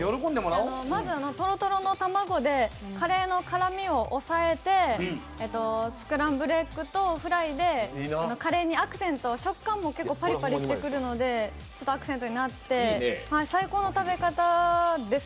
まずとろとろの卵でカレーの辛みを抑えてスクランブルエッグとフライでカレーにアクセントを食感も結構ぱりぱりしてくるのでアクセントになって最高の食べ方です。